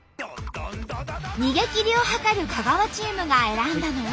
逃げきりを図る香川チームが選んだのは。